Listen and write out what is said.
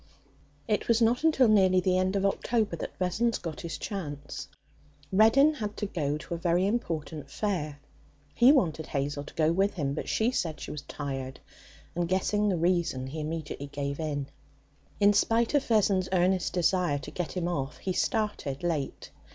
It was not until nearly the end of October that Vessons got his chance. Reddin had to go to a very important fair. He wanted Hazel to go with him, but she said she was tired, and, guessing the reason, he immediately gave in. In spite of Vessons' earnest desire to get him off, he started late.